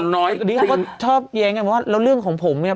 อันนี้เขาก็ชอบแย้งกันว่าแล้วเรื่องของผมเนี่ย